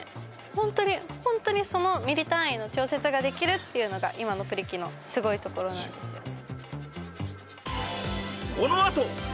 ホントにホントにそのミリ単位の調節ができるっていうのが今のプリ機のすごい所なんですよね